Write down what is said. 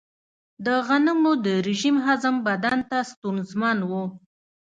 د غنمو د رژیم هضم بدن ته ستونزمن و.